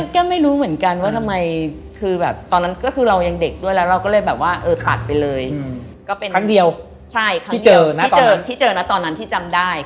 ก็ไม่รู้เหมือนกันว่าทำไม